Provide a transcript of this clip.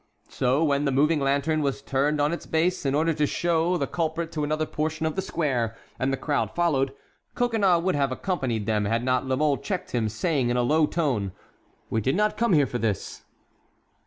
So when the moving lantern was turned on its base, in order to show the culprit to another portion of the square, and the crowd followed, Coconnas would have accompanied them, had not La Mole checked him, saying, in a low tone: "We did not come here for this."